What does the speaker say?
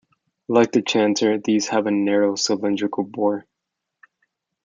Like the chanter, these have a narrow cylindrical bore.